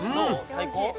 最高？